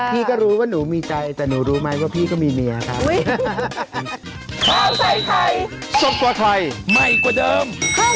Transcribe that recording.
พี่ก็รู้ว่าหนูมีใจแต่หนูรู้ไหมว่าพี่ก็มีเมียครับ